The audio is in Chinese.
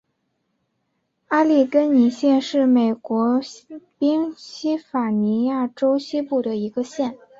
阿利根尼县是美国宾夕法尼亚州西部的一个县。